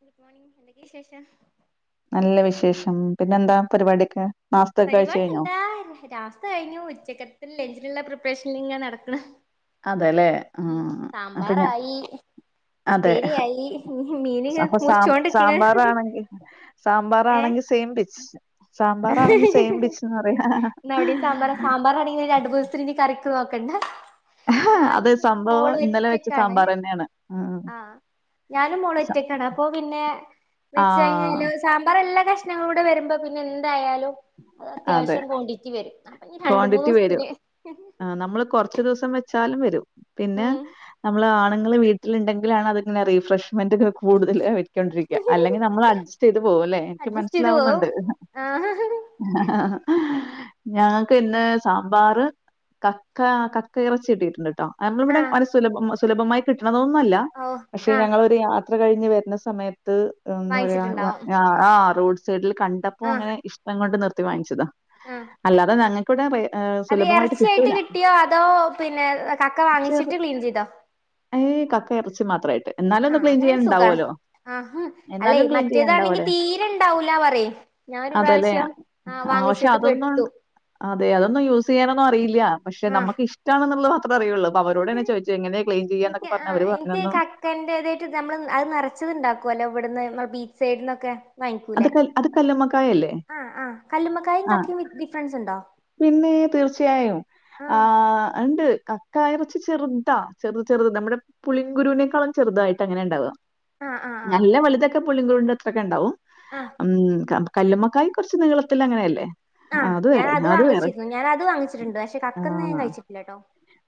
Good morning എ വിശേഷം? നല്ല വിശേഷ ഉം പിന്നെ എന്താ പരിപാടിയൊക്കെ. നാസ്തൊക്കെ കഴിച്ചു പരിപാടി കഴിഞ്ഞോ എന്താ രാവിലത്ത കഴിഞ്ഞു ഉച്ചക്കത്തെ ല ള്ള പ്രിപ്പറേഷനിൽ ഇങ്ങനെ നടക്കണ്. അതെല്ലേ ഉം ആഹ് അപ്പൊ ഞാ സാമ്പാറായി അതെ ഉപ്പേരിയായി മീന് അപ്പൊ സാ മുറിച്ചോണ്ടിക്കണ് സാമ്പാറാണെങ്കിൽ ഏ സാമ്പാറാണെങ്കിൽ സെയിം പിച്ച്. സാമ്പാറാണെങ്കിൽ സെയിം പിച്ച്ന്ന് പറയാ ഇന്ന് അവിടയും സാമ്പാറ സാമ്പാറാണെങ്കി രണ്ടു മൂന്ന് ദിവസത്തിന് ഇനി കറിക്കു പിന്നെ അത് ഞാനും സംഭവം മോളും ഇന്നലെ വെച്ച ഒറ്റക്കാണ് സാമ്പാർ തന്നെയാണ് ഉം. ആഹ് ഞാനും മോളും സ- ഒറ്റക്കാണ് അപ്പൊ പിന്നെ ആ വെച്ച് കഴിഞ്ഞാല് സാമ്പാറെല്ലാം പ്രശ്നങ്ങളൂടെ വരുമ്പോ പിന്നെ തായ അത് അതെ അത്യാവശ്യം ക്വാണ്ടിറ്റി വരും അപ്പൊ ഇനി രണ്ട് മൂന്ന് ക്വാണ്ടിറ്റി വരും ദിവസത്തിന് [unintelligible] ലും വരും. പിന്നെ ഉം നമ്മള് ഞങ്ങള് വീട്ടിലുണ്ടെങ്കിലാണ് അതിൻ്റെ റീഫ്രഷ്മെന്റ് കൂടുതൽ ണ്ടിരിക്ക അല്ലെങ്കി നമ്മൾ അഡ്ജസ്റ്റ് ചെയ്ത് പോവുല്ലേ എനിക്ക് അഡ്ജസ്റ്റ് ചെയ്ത് പോവും മനസ്സിലാവുന്നുണ്ട്. ആഹ് ഞങ്ങക്ക് ഇന്ന് സാമ്പാർ കക്ക കക്കയിറച്ചി കിട്ടിട്ടുണ്ട്. ഇവിടെ ആഹ് [unintelligible] സുലഭമായി കി ന്നുമല്ല ഓ പക്ഷെ ആഹ് ഞങ്ങളൊരു യാ യാത്ര കഴിഞ്ഞ് വരുന്ന സമയത്ത് എന്ത പറയാ വാങ്ങിച്ചിട്ടുണ്ടാവും ആഹ് ആഹ് റോഡ് സൈഡിൽ കണ്ടപ്പോ ആഹ് അങ്ങനെ ഇഷ വണ്ടി നിർത്തി വാങ്ങിച്ചതാ. ആഹ് അല്ലാതെ ങ്ങ [unintelligible] അത് എറച്ചിയായിട്ട് കിട്ടിയോ അതോ പിന്നെ തക്ക ചെറു വാങ്ങിച്ചിട്ട് ക്ലീൻ ചെയ്തോ ഏയ് കക്ക എറച്ചി മാത്രയിട്ട് ആഹ് അങ്ങനെങ്കി സുഖ ആ അല്ലെ എന്നാലും ക്ലീൻ മറ്റേതാണെങ്കി ചെയ്യാനുണ്ടാവോലോ? തീരെ ഇണ്ടാവൂല പറയ് ഞാനൊരു പ്രാവശ്യ [unintelligible] ആ പക്ഷെ അതൊന്നും അതെ അതൊന്നും യൂസ് ചെയ്യാനൊന്നും അറിയില്ല പക്ഷെ ആഹ് നമുക്ക് ഇഷ്ട ക്കാനിള്ളത് ചെയ്യാന്നൊക്കെ എനിക്ക് ആ പറഞ്ഞു. അവര് പറഞ്ഞു എനിക്ക് തന്നു. കാക്കേൻറതായിട്ട് നമ്മൾ അത് നിറച്ചത്ണ്ടാക്കുംല്ലോ ഇവിടുന്ന് ബീ സൈഡന്നൊക്കെ അത് ക അത് കല്ലമ്മക്കായല്ലേ ആഹ് ആഹ് കല്ലുമ്മക്കായും ആ കക്കയും ഡിഫറൻസ് ഉണ്ടോ പിന്നെ തീർച്ചയായും ആ ആഹ് അണ്ട് കക്ക ഇറച്ചി ചെറുതാ ചെറുത് ചെറുത് നമ്മുടെ പുളിങ്കുരുവിനേക്കാളും ചെറുതായിട്ട് അങ്ങനെ ഉണ്ടാവുക ആഹ് ആഹ് നല്ല വലുതൊക്കെ പുളിങ്കുരുന്റെത്രെക്ക ഉണ്ടാവും ആഹ് ഉംഹ് കബാ കല്ലുമ്മക്കായ കുറച്ച് നീളത്തിൽ അങ്ങനെ അല്ലേ ആഹ് ഞാാന അത് വാങ്ങിച്ചിരുന്നു ഞാൻ അത് വാങ്ങിച്ചിട്ടുണ്ട് പക്ഷെ കക്കന്ന ഞാൻ ആ കഴിച്ചിട്ടില്ലട്ടോ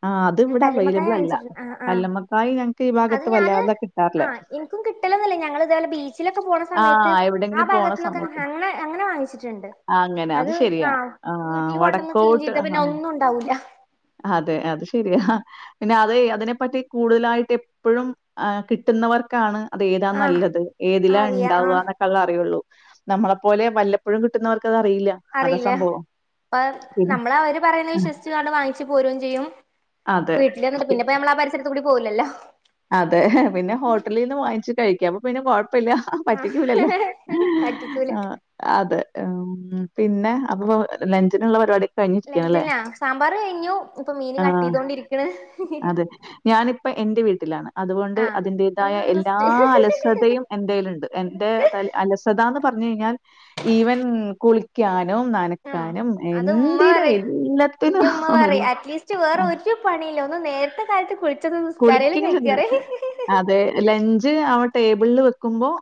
ആ അത് ഞാൻ ഇവിടെ കല്ലുമ്മക്കായ അവൈലബിൾ അല്ല. വാങ്ങിച്ചിട്ടുണ്ട് ആ ആഹ് കല്ലുമ്മക്കായ ഞങ്ങക്ക് ഈ അത് ഭാഗത്ത് ഞാന് വല്ലാതെ കിട്ടാറില്ല. ആ എനിക്കും കിട്ടലന്നില്ലേ ഞങ്ങളിതേപോലെ ബീച്ചിലൊക്കെ പോണ ആ സമയത്ത് ആ എവിടെയെങ്കിലും പോണ ഭാഗത്തിന്നൊക്കെ സമയത്ത്. അങ്ങ അങ്ങനെ വാങ്ങിച്ചിട്ടുണ്ട് ആ അങ്ങനെ അത് ശരിയാ. ആഹ് ആ വീട്ടില് കൊണ്ടുവന്ന് ക്ലീൻ വടക്കോട്ട് ചെയ്ത പിന്നെ ആ ഒന്നും ഉണ്ടാവൂല്ല അതെ അത് ശരിയാ പിന്നെ അത് അതിനെപ്പറ്റി കൂടുതലായിട്ട് എപ്പോഴും ആ കിട്ടുന്നവർക്കാണ് അത് ഏതാ ആഹ് നല്ലത് ഏതിലാ അറിയ ഉണ്ടാവുക ആഹ് എന്നൊക്കെ അത് അറിയുള്ളൂ നമ്മളെപ്പോലെ വല്ലപ്പഴും കിട്ടുന്നവർക്ക് അറിയില്ല അപ്പ പിന്നെ നമ്മൾ അവര് പറയുന്ന വിശ്വസിച്ചണ്ട് വാങ്ങ് പോരും ചെയ്യും വീട്ടില് അതെ. പിന്ന പോയി നമ്മളാ പരിസരത്തു കൂടി പോകൂലല്ലോ അതെ പിന്നെ ഹോട്ടലിന്ന് വാങ്ങിച്ചു കഴിക്കാം അപ്പ പിന്നെ കൊഴ പ്പില്ല ആഹ് പറ്റിക്കൂല്ലല്ലോ പറ്റിക്കൂല ആ അതെ മ്ഹ് പിന്നെ അപ്പൊ ലഞ്ചിനുള്ള പരിപാടി ലഞ്ച്നാ സാമ്പാർ കഴിഞ്ഞു ഇപ്പൊ മീന് കട്ട് ആഹ്. ചെയ്തോണ്ടിരിക്കണ് ത്തിലാണ് അതുകൊണ്ട് ആഹ് അതിന്റേതായ ഒന്ന് എല്ലാ റിസ്റ്റ് അലസതയും എൻന്റെലുണ്ട് എന്റെ ത അലസതാന്ന് പറഞ്ഞു കഴിഞ്ഞാൽ ഈവൻ കുളിക്ക [unintelligible] ആഹ് നനക്കാനും അത് ഉമ്മ എന്തിന പറയും എന്റെ എല്ലത്തിനും ഉമ്മ ഒരു പറയും അറ്റ്ലീസ്റ്റ് വേറെ ആ ഒരു പണിയില്ല നേരത്തെ കാലത്തു കു കുളിക്കല് തന്നെ അതെ ലഞ്ച് അവ ടേ ബിളില് വെയ്ക്കുമ്പോൾ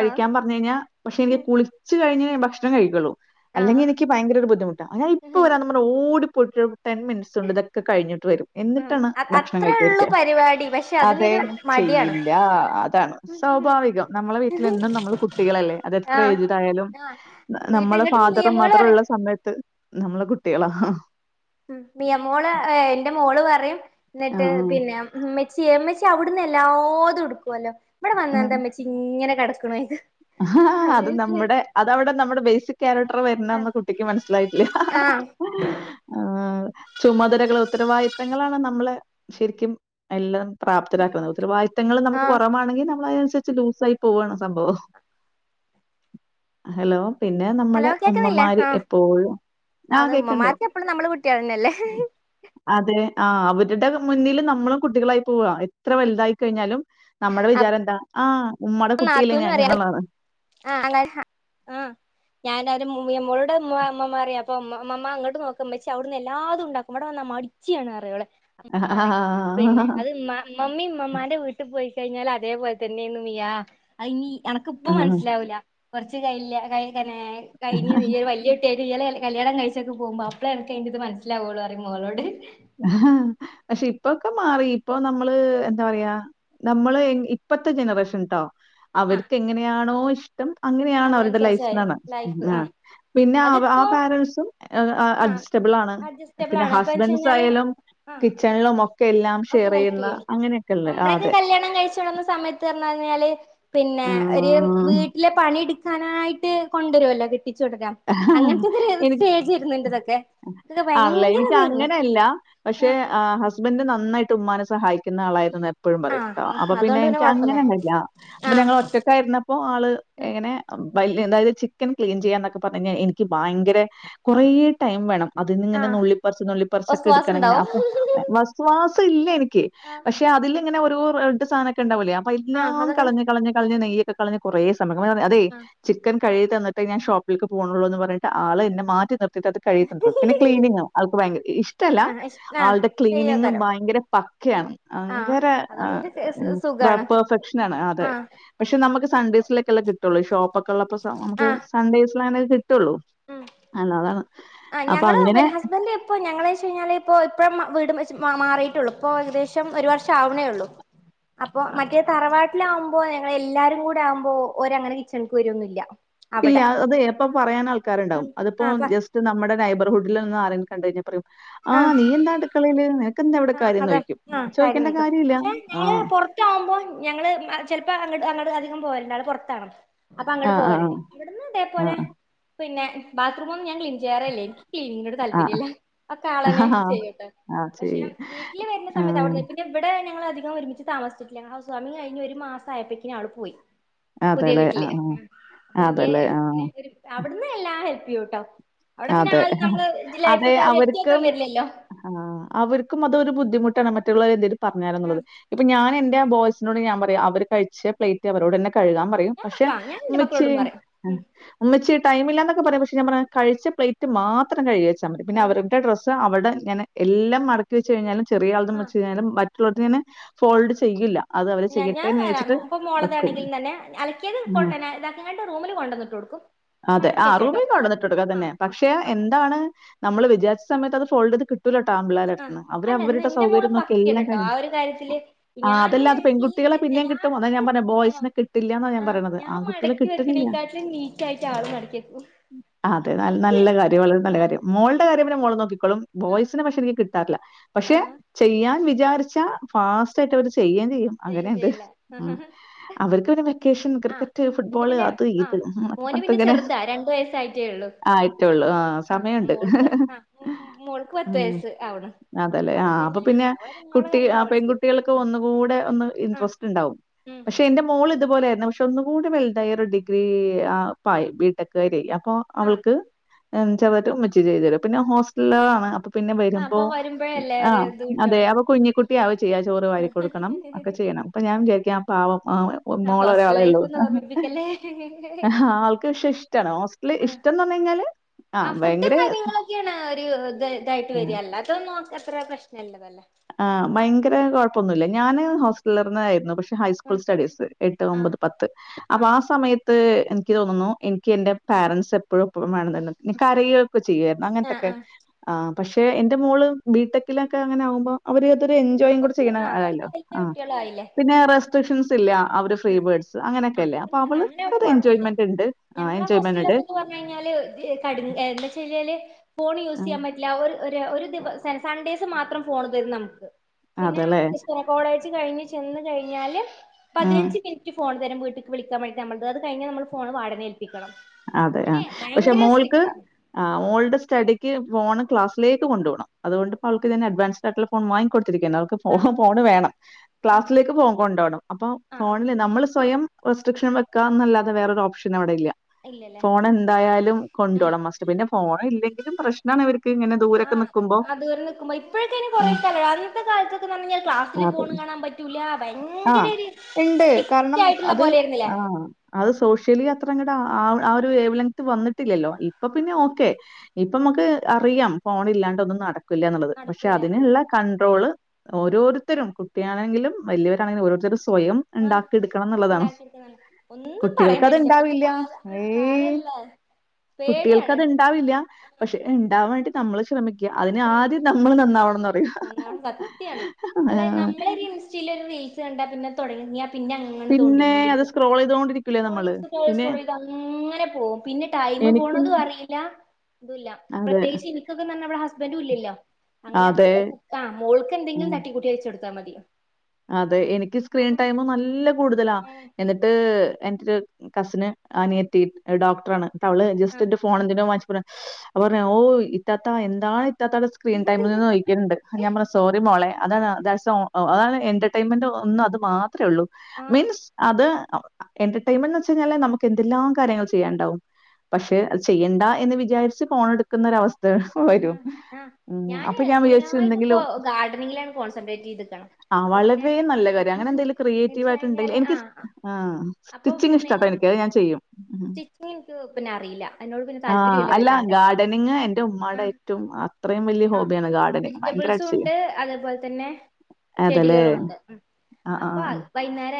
ആഹ് പറഞ്ഞു കഴിഞ്ഞാൽ പക്ഷെ എനിക്ക് കുളിച്ച് കഴിഞ്ഞ് ഭക്ഷണം കഴിക്കുള്ളൂ അല്ലെങ്കിൽ ആഹ് എനിക്ക് ഭയങ്കര ഒരു ബുദ്ധിമുട്ടാ ഞൻ ഇപ്പ വരാന് പറഞ്ഞു ഓടി പുട്ട് ടെൻ മിനിറ്റ്സ് ഉണ്ട് ഇതൊക്കെ കഴിഞ്ഞ്ട്ട് വരും ഉം എന്നിട്ടാണ് ഭക്ഷണം അത്രേ കഴിക്കാൻ ഉള്ളൂ ഇരിക്ക പരിപാടി പക്ഷെ അതേ അതിനൊരു മടിയാണ് ചെയ്യില്ലാ അതാണ് സ്വാഭാവികം നമ്മളെ വീട്ടിലെന്നും നമ്മള് കുട്ടികളല്ലേ അതെത്ര ആഹ് ഏജിഡ് ആയാലും ആഹ് വീട്ട് നമ്മളെ ഇങ്ങട്ട് ഫാദറും നിയമങ്ങള് പറയും മദറുംള്ള സമയത്ത് നമ്മള് കുട്ടികളാ ആഹ് ആ ഉം മിയമോള് എന്റെ മോള് പറയും എന്നിട്ട് ആഹ്. പിന്നെ ഉമ്മി ച്ചി അവിടുന്ന് എല്ലാതും എടുക്കുവല്ലോ ഇവിടെ വന്ന എന്താ ഉമ്മച്ചി ഇങ്ങനെ കിട കിണേന്ന് അഹ ഹാ ആ ഹ് ആ അത് നമ്മുടെ അതവിടെ നമ്മുടെ ബേസിക് ക്യാരക്ടർ വരണാന്ന് കുട്ടിക്ക് മനസ്സിലായിട്ടില്യാ ആ ആഹ് ഹാ ആ ചുമതലകള് ത്തരവാദിത്തങ്ങളാണ് നമ്മളെ ശരിക്കും എല്ലാം പ്രാപ്തരാക്കുന്നത് ഉത്തരവാദിത്തങ്ങൾ നമുക്ക് ആഹ് കുറവാണെങ്കിൽ നമ്മളതിനനുസ വച്ച് ലൂസ ആയി പോവാണ് സംഭവം ഹലോ പിന്നെ ഹലോ നമ്മുടെ കേക്കുന്നില്ലേ ഉമ്മമാര് ആഹ് എപ്പോഴും ആ അത് കേക്കണ്ട് ഉമ്മമാർക്ക് എപ്പളും നമ്മള് കുട്ടികൾ തന്നെയല്ലേ അതെ ആ അവരുടെ മുന്നിൽ നമ്മളും കുട്ടികളായി പോവാ എത്ര വലുതായി കഴിഞ്ഞാലും അ നമ്മുടെ അപ്പൊ വിചാരം എന്താ ആ ഉമ്മാടെ കുട്ട്യല്ലേ ഞാൻ ആ അങ്ങ ആ ആ ഞാനൊരു മുയൻ മോ മു മ മാ റി യാ അപ്പൊ മ് ഉമ്മുമ്മ ങ്ങോട്ട് നോക്ക് മ്മ്‌ച്ചി അവിടുന്ന് എല്ലാതും ഉണ്ടാക്കും വ്ടെ വന്നാ മടിച്ച്യാണ് റ്യ യോള് മ്മ റിം പിന്നെ അത് മമ് മ്മമ്മിം മ്മമ്മാന്റെ വീട്ടിൽ പോയി കഴിഞ്ഞാല് അതേപോൽത്തന്യാണ് മിയാ ആ അയിനി അണക്കിപ്പോ ആ മനസ് ലാവൂല കുറച്ച് കൈല്ല കൈകനെ കഴിഞ്ഞ് ഈരു വലിയട്ടി നീയല്ലേ കല്യാണം കഴിച്ചൊക്കെ പോക്മ്പ അപ്പളേ ചെയ്ഞ്ച്സ് മനസ്സിലാവുള്ളൂന്ന് പറയും മോളോട് പക്ഷെ ഇപ്പൊക്കെ മാറി ഇപ്പൊ നമ്മള് എന്താ പറയാ നമ്മള് ഇപ്പത്തെ ജനറേഷൻട്ടോ ആഹ് അവർക്ക് എങ്ങനെയാണോ ഇഷ്ടം അങ്ങനെയണാണ് അവരുടെ ലൈഫ് എന്ന് അതിനനുസരിച്ചായി ലൈഫ് പറഞ്ഞ ആ ആഹ് പിന്നെ ആ അതിപ്പോ പേരന്റ്സും ആഹ് അഡ്ജസ്റ്റബിൾ ആണ് അഡ്ജസ്റ്റബിൾ പിന്നെ ആണ് ഇപ്പ വെച്ച് ഹസ്ബൻഡ കഴിഞ്ഞാല് യലും ആഹ് കിച്ചണിലും ഒക്കെ എല്ലാം ഒക്കെ ഷെയർ ഹെൽപ് ചെയ്യുന്ന ചെയ്യും അങ്ങനെയൊക്കെ ഉള്ള അതെ പറഞ്ഞാല് പിന്നെ ഒരു ആഹ് വീട്ടിലെ എടുക്കാനായിട്ട് കൊണ്ടുവരുമല്ലോ വി ആയിരുന്നു എന്റെതൊക്കെ ഇതൊക്കെ ആണല്ലേ ഭയങ്കര എനിക്ക് ഇതായിരുന്നു അങ്ങനെല്ല പക്ഷെ ഹസ്ബൻഡ് നന്നായിട്ട് തുമ്മാെ സഹായിക്കുന്ന ആളായിരുന്നു എപ്പോഴും ആ പറയുംട്ടോ അപ്പൊ ആ പിന്നെ അതുകൊണ്ട് എനിക്ക് കൊഴപ്പല്ല അങ്ങനെണ്ടല്ല അപ്പൊ ആ ഞങ്ങൾ ഒറ്റക്കായിരുന്നപ്പോ ആള് എങ്ങനെ വയലിനെന്തായാലും ചിക്കൻ ക്ലീൻ ചെയ്യാനോ ഇപ്പോ തന്നെ എനിക്ക് ഭയങ്കര കൊറേ ടൈം വേണം അതിന് ആ ഇങ്ങനെ നുള്ളിപ്പറിച്ച് നുള്ളിപ്പറിച്ചൊക്കെ ഒസ്വാസ് എടുക്കണങ്ങനെ ഉണ്ടാവും അപ്പൊ ഇപ്പോ ഇല്ല എനി ക്കെ ആ പക്ഷെ അതില് ഇങ്ങനെ ഒരു റണ്ട് സാധനൊക്കെ ഉണ്ടാവൂല്ലേ അപ്പ ആ എല്ലാം അതൊക്കെ കളഞ് കളഞ്ഞഞ് കളഞ്ഞഞ് നെയ്യ അതൊക്കെ കളഞ്ഞ് കുറേ നമ്മക്ക് [unintelligible] അതെ ആ ചിക്കൻ കഴി തന്നിട്ട് ഞാൻ ഷോപ്പ് ലേക്ക് പോവുളെന്നു എന്ന് പറഞ്ഞിട്ട് ആളെ എന്നെ മാറ്റി നിർ ത് കഴിയണ്ട പിന്നെ ക്ലീനിങ് ആൾക്ക് ഭയങ്ക ഇഷ്ടല്ല ആ ആ ആളുടെ ക്ലീനിങ് ചെയ്യക്കാരം ഭയങ്കര പക്കയാണ് ആ ഭയങ്കര അതുകൊണ്ട് പിന്നെ സുഖാണ് പെർഫെക്ഷന ആണ് അതെ ആ പക്ഷെ നമുക്ക് സൺഡേയ്സിലേക്കെല്ല കിട്ടുള്ളൂ ഷോപ്പ് ഒക്കെ ഉള്ളപ്പോ നമുക്ക് ആ സൺഡേയ് പ്ലാനൊക്കെ കി ട് ട്ടു ള്ളൂ അല്ലതാണ് ആ ഞങ്ങള് പിന്നെ ഹസ്ബൻഡറ് എപ്പ ഞങ്ങള വെ കഴിഞ്ഞാല് ഇപ്പൊ ഇപ്പം വീട് മാറിട്ടുള്ളു ഇപ്പൊ ഏകദേശം ഒരു വർഷം ആവണേ ഉള്ളൂ അപ്പൊ മറ്റേ തറവാട്ടിലാവകുമ്പോ എല്ലാരും കൂടെ ആവുമ്പോ ഒരങ്ങനെ കിച്ചണക്ക് വരുംന്നുമല്ല ഇല്ല അത് എപ്പ പറയൻ ആൾക്കാരുണ്ടാകും അതിപ്പോ ആഹ് ആഹ് ജസ്റ്റ് നമ്മുടെ നൈബർഹുഡിൽ നിന്ന് ആരെ കണ്ട പറയു ആഹ് നീ എന്താ അടുക്കളയില് നിനക്കെന്താ ഇവിടെ ആ കാര്യം?" ന്ന് അതെ ചോദിക്കും. ആ കാര്യം ചോദിക്കേണ്ട നൽക്കും കാര്യമില്ല. പക്ഷെ ഞങ്ങള് ആഹ്. പുറത്ത ആകുമ്പോ ഞങ്ങള് ചിലപ്പോ അങ്ങട് അങ്ങട് അധികം പോകല പെറത്താണ് അപ്പൊ അങ്ങോട്ട് ആഹ് ആഹ് പോവാനുണ്ട് അവിടന്ന് ഇതേ പോലെ ആഹ് പിന്നെ ബാത്റൂം ഞാൻ ക്ലീൻ ചെയ്യാറല്ലേ എനിക്ക് ക്ലീനിനോട് താല്പര്യമല്ല ഒക്കെ ആഹ് ആളന്നെ ആഹ്. ചെയ്യട്ടെ ആഹ് പക്ഷെ ചെയ്യും. വീട്ടിൽ വരുന്ന സമയത്ത് ആഹ്. അവിടന്ന് പിന്നെ ഇവിടെ ഞങ്ങളെ അധികം ഒരുമിച്ച് താമിച്ചിട്ടില്ല ഞങ്ങ ഹൗസ് വാർമിംഗ് കഴിഞ്ഞ ഒരു മാസ ആയപ്പേക്കിന് ആള് പോയി പുതിയ അതേല്ലേ. വീട്ടില് ആഹ് ആഹ്. അപ്പൊ ഇനി അതേല്ലേ. ആഹ്. അവിടുന്ന് എല്ലാവരും പിയൂ ട്ടോ അതെ അതെ എത്തിയേക്കാൻ അവർക്കും വരില്ലല്ലോ അവർക്കും അതൊരു ബുദ് ബുധിമട്ടണ് മറ്റുള്ളരെ എന്തെരും ആ പറഞ്ഞാലോള്ളത് ഇപ്പൊ ഞാൻ ൻ്റെ ബോയ്സിനോട് ഞാൻ പറയാ അവര് കഴിച്ച പ്ലേറ്റ് അവരോട് തന്നെ കഴുകാൻ പറയും ഞാൻ പക്ഷെ വെക്കാ ഞാൻ എന്റെ ഉമ്മച്ചി മക്കളോടും പറയും ഉമ്മച്ചി ടൈമില്ല എന്നൊക്കെ പറയാ പക്ഷെ ഞാ പറ കഴിച്ച പ്ലേറ്റ് മാത്രം കഴുകച് ച്ച മതി പിന്നെ അവരുടെ ഡ്രസ്സ് അവ ഉം എല്ലാം എല്ലാം മടക്കി വെച്ച കഴിഞ്ഞാലും ചെറിയാൾതും ആഹ് വച്ച് നേരം വച് ടുട്ടിന് ഫോൾഡ് ചെയ്യില്ല അത് അവര് ഞാൻ ചെയ്യട്ടേന്ന് ഞാനാരാ വിചാരിച്ചിട്ട് ഇപ്പ മോളത വെക്കും. ആണെങ്കിലും തന്നെ അലക്കിയത് കൊ ആഹ്. ഇതാക്കെ ഞട്ട് റൂമിൽ കൊണ്ടുവന്നിട്ട് കൊടുക്കും മടക്കി വെച്ചോട്ട അത് ആ ക എന്താണ് നമ്മള് വിചാരിച്ച സമയത്ത് അത് ഫോൾഡ്ത് കിട് കിട്ടുലാ ട്ടാ ആൺപിള്ളേരെ ആഹ് അടുത്ത്ന്ന് അവര് അല്ല ഇന്ന് അവരുടെ എന്റെ മോള് സൗകര്യം നോക്കി പക്കയാണ് എല്ലാം ട്ടോ ആ കഴിഞ്ഞു ഒരു കാര്യത്തില് ആ ഞാന് അതല്ല ക്ലീൻ പെൺകുട്ടികളെ ചെയ് പിന്നെയും കിട്ടും അതാ ഞാൻ പറഞ്ഞ ആഹ് ബോയ്സിനെ കിട്ടില്ല എന്നാ ഞാൻ ആഹ് പറയണത് ആൺകുട്ടികളെ മടക്കി കിട്ടുന്നില്ല വെക്കണേക്കാട്ടിലും നീറ്റായിട്ട് ആള് മടക്കി വെക്കും അതെ എനിക്ക് നല്ല കാര്യം വളരെ നല്ല ആഹ് കാര്യം മോളുടെ പിന്നെ മോൾ നോക്കിക്കോളും ആഹ് ബോയ്സിന് പക്ഷെ എ കിട്ടാറില്ല പക്ഷെ ആഹ് ചെയ്യാൻ വിധ വിചാരിച്ച ഫാസ്റ്റ് ആയിട്ട് അവര് ചെ ചെയ്യൻ ചെയ്യും അങ്ങനെയണ്ട് ഉം അവർക്ക് പിന്നെ വെക്കേഷൻ ആ ക്രിക്കറ്റ്, എന്റെ ഫുട്ബോള് പിന്നെ അത് ആ ഇത് എന്നൊക്കെ മോന് പിന്നെ ചെറുതാ രണ്ട് വയസ് ആയിട്ടേ ഉള്ളൂ ആയിറ്റൊള്ളൂ ആ സമയം ആഹ് ഒണ്ട് മോൾക്ക് ആഹ് മോൾക്ക് ഹ് പത്ത് ഹ് വയസ്സ് ആവണ് അതലേ ആഹ് അപ്പൊ പിന്നെ അവളെ അവളെ കുട്ടി കാര്യങ്ങള് അവള് ചെയ്യും പെൺകുട്ടികൾക്ക് ഒന്നുകൂടെ ഒന്ന് ആഹ് ഇൻട്രസ്റ്റ് ഇണ്ടാവും ഉം പക്ഷെ എന്റെ മോൾ ഇതുപോലെയിരുന്നു ഇപ്പം ഒന്നുകൂടി വെലുതായി ഒരു ഡിഗ്രി ആ പായ ബി ടെക് കാരിയായി അപ്പൊ അവൾ ആഹ് [unintelligible] പിന്നെ ആഹ് വരുമ്പോ അപ്പൊ വരുമ്പോഴല്ലേ ആ ഒരു ഇത് അതെ കിട്ടുള്ളൂ അവ കുഞ്ഞിക്കു- [inaudible] യ്യാ ചോറ് വരി കൊടുക്കണം ഒക്കെ ചെയ്യണം അപ്പൊ ഞാ വിചാരിക്ക പാവം ആ ആഹ് മോള ഹോസ്റ്റൽ ലൈഫ് ഒരാളെള്ളൂ ഒന്ന് ഓർമ്മിപ്പിക്കല്ലേ ആൾക്ക് ക്ഷെ ഇഷ്ടമാണ് ഹോസ്റ്റല് ഇഷ് ആ ഫുഡും കാര്യങ്ങളൊക്കെയാണ് ഒരു ഇത് ഇതായിട്ട് വര അല്ലതൊനോക്ക ത്ര പ്രശ്നള്ളതല്ല ആ ഭയങ്കര കൊഴപ്പൊന്നുല്ല ഞാന് ഹോസ്റ്റലർന്ന ആയിരുന്നു പക്ഷെ ഹൈസ്കൂൾ ആഹ് സ്റ്റഡീസ് എട്ട് ആഹ് ഒമ്പത് പത്ത് അപ്പൊ ആഹ് ആ സമയത്ത് എനിക്ക് തോന്നുന്നു എ ക്ക് എന്റെ പാരൻറ്സ് എപ്പോഴും ഒപ്പംമാണെന്നെ [unintelligible] ഒക്കെ ചെയ്യരുന്നു ആഹ് അങ്ങനത്തൊക്കെ ആഹ് ആ പക്ഷെ എന്റെ മോള് ബി ടെക്കി ലൊക്കെ അങ്ങനെ ആകുമ്പോ അവര് രെ ആഹ് എൻജോയും കൂടെ കൊറച്ച് ചെയ്യണെ ആഹ് കൊറച്ച് ആണാലോ വല്യ പിന്നെ റെസ്ട്രിക്ഷൻസ് ഇല്ല അവര് ഫ്രീ ആ ബേർഡ്സ് ആ അങ്ങനെയൊക്കെല്ലേ അപ്പൊ അങ്ങനെ ഒ അവൾക്കത് കൊഴപ്പില്ല എൻജോയ്മെന്റ് ഉണ്ട് ആഹ് ഞങ്ങളെ എൻജോയ്മെന്റ് ഉണ്ട് ഹോസ്റ്റിലൊക്കെന്ന് പറഞ്ഞഞ് കഴിഞ്ഞാല് ക എന്താച്ചല് ഫോൺ യൂസ് ചെയ്യാൻ പറ്റില്ല ഒര് ഒ [unintelligible] ഒരു ദിവ സ സൺഡേസ് മാത്രം ഫോൺ തരും നമക്ക് ആഹ് പിന്നെ അതല്ലേ [unintelligible] കോളേജ് കഴിഞ്ഞ് ചെന്ന് കഴിഞ്ഞാല് ആഹ് പതിനഞ്ച് മിൻറ്റ് ഫോൺ തരും വീട്ട്ക്ക് വ്ളിക്കാൻ വേണ്ടിട്ട് നമ്മട്ത് അത് കഴിഞ്ഞാ നമ്മള് ഫോണ് വാടനേൽ അതെ ആ പക്ഷെ മോൾക്ക് സ്ട്രിക്റ്റ് ആയിരുന്നു ആ മോൾഡ് സ്റ്റഡിക്ക് ഫോൺ ക്ലസിലേക്ക് കൊണ്ട് പോണം അതു കൊണ്ട് പ്പോ ആൾക്ക് തനെ അഡ്വാൻസ്ഡ് ആട്ടുള്ള ഫോൺ വാങ്ങിക്കൊട് ത്തിരിക്ക്ന്നെ അവൾക് ഫോ ആഹ് ഫോണ് വേണം ആഹ് ക്ലാസ്സിലേക്ക് ഫോൺ കൊണ്ടോണം അപ്പൊ ആഹ് ആഹ് ഫോണില് നമ്മൾ സ്വയം റെസ്ട്രിക്ഷൻ വെക്കന്നല്ലാതെ വേറരോപ്ഷനവിടെല്ല ഇല്ലല്ലേ ഫോൺ എന്തായാലും ആഹ് കൊണ്ടോണം മാസ്റ്റ് പിന്നെ ഫോണില്ലെങ്കിലും പ്രശ്ണാണിവര് ആഹ് അത് വരെ നിക്കുമ്പോ ഇപ്പൊഴൊക്കെ ഇനി കുറെേ ആഹ്. കാലമായി, ആദ്യത്തെ കാലത്തൊക്കെ എന്ന് പറഞ്ഞാല് ക്ലാസ്സില് അതെ. ഫോണ് കാണാൻ പറ്റൂലാ ആ ഇണ്ട് കാരണം ആയിട്ടുള്ള അത് പോലെയായിരുന്നില്ലേ ആ അത് സോഷ്യലി ത്രങ്ങട്ട് ആആ ഒരു വേവ് ലെങ്ത് വന്നിട്ടില്ലല്ലോ ഇ അപ്പൊ പിന്നെ ഓക്കെ ഇപ്പൊമ്മക്ക് അറിയാം, ഫോൺ ഇല്ലാണ്ട് ഒന്നും നടക്ക് ക്കില്ല എന്നുള്ളത്. പക്ഷെ നടക്കൂലാന്നുള്ളത് അതിനുള്ള കൺണ്ട്രോള് ഓരോരുത്തരും കുട്ടിയാണെങ്കിലും വലിയോരാണെങ്കിലും ഓരോരുത്തര്സ് സ്വയം ആ ഇണ്ടാക്കി എടുക്കണം എന്നുള്ളതാണ് ഉണ്ടാക്കിയെടുക്കുന്നതാണ് ഒന്നും പറയാൻ പറ്റില്ല ഇപ്പത്തെ കുട്ടികൾക്കതുണ്ടാവില്ല കാല ഏയ്‌ കാലല്ല പേടിയാണ് കുട്ടികൾക്കതുണ്ടാവില്ല, പക്ഷെ, ഇണ്ടാവാൻ വേണ്ടി നമ്മള് [unintelligible] [unintelligible] അതിന് ശ്രമിക്ക ആദ്യം നമ്മള് നന്നാവണെന്ന് നന്നാവണം, സത്യാണ്. അല്ല നമ്മള് ഒരു ഇൻസ്റ്റ് ലെ ഒരു റീൽസ് കണ്ടാപ്പിന്നെ തൊടങ്ങിയാ പിന്നെ അങ്ങനെ തോണ്ടി പിന്നെ അത് കൊണ്ടിരിക്കും സ്ക്രോൾ ചെയ്തോണ്ടിരിക്കൂലേ നമ്മള്. [unintelligible] പിന്നെ ചെയ്തു ങ്ങനെ പോകും. പിന്നെ ടൈമ് എനിക്ക് പോണതുമറിയില്ലാ തുല്ല അതെ. പ്രത്യേകിച്ച് എനിക്കൊക്കെ മ്മളെ ഹസ് ബൻഡും ഇല്ലല്ലോ അങ്ങനെ ഏ ആ മോൾക്ക് എന്തെങ്കിലും തട്ടിക്കൂട്ടി വെച്ചൊഡ് താമതി അതെ എനിക്ക് സ്ക്രീൻ ടൈമ് നല്ല കൂടുതലാ എന്നിട്ട്, എന്നിട്ട് കസിന് അനിയത്തി ഡോക്ടറാണ്. അവള് ജസ്റ്റ് ആ എന്റെ ഫോൺ എന്തിനോ വാങ്ങിച് [unintelligible] അപ്പോ പറ ഓ ഇത്താത്ത എന്താ ഇത്താത്തേടെ സ്ക്രീൻ ടൈമിൽ [unintelligible] [unintelligible] എന്റർടൈയ്മെന്റ് ഒന്ന് അത് മാ ത്രേള്ളൂ ആ മീൻസ് അത് [unintelligible] എന്റർടൈമെന്റ് എന്നു വെച്ചാല് നമുക് എന്തെല്ലാം കാര്യങ്ങള് ചെയ്യാണ്ടാവും പക്ഷെ, അത് ചെയ്യണ്ട എന്നു വിചാരിച്ചു ഫോൺ എടുക്കുന്ന ഒരവസ്ഥ ഹാ വരും. ഹാ ഉം. ഞാന് അപ്പൊ ഞാൻ വിചാരിച്ചു മെയ്നായിട്ട് എന്തെങ്കിലും ഇപ്പോ ഗാർഡനിലാണ് കോൺസെൻട്രേറ്റ് ചെയ്തക്കാണ് ആ വളരെ നല്ല കാര്യം അങ്ങനെ എന്തെങ്കിലും ക്രിയേറ്റീവ് കഴിഞ്ഞാല് ആയിട്ട്ണ്ടെങ്കില് എനിക്ക് ആഹ് ആ അപ്പൊ സ്റ്റിച്ചിങ് പു- ഇഷ്ടാട്ടോ നേരെ എനിക് അത് ഞാൻ ചെയ്യും മ് സ്റ്റിച്ചിങ് എനിക്ക് പിന്നെ അറിയില്ല അതിനോട് പിന്നെ ആ താല്പര്യമില്ല അതിലാ വല്ലാണ്ട് ഗഡനിംഗ് എന്റെ ആഹ് റ്റവും അത്രയും വലിയ ആഹ് ഹോബിയാണ് ഗാർഡന് ഭയങ്കരയിട്ട് വെജിറ്റബിൾസും ചെയ്യും. അതേല്ലേ? ചെടികളുണ്ട് അപ്പ വൈന്നേരം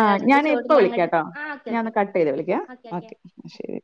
ആ ഞാൻ ഇപ്പ വിളിക്കാട്ടോ ആഹ് ഓക്കെ ഓക്കെ ഞാനൊന്ന് കട്ട് ചെയ്ത് വിളിക്കാം ഓക്കെ ശരി